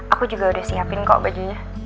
aku juga udah siapin kok bajunya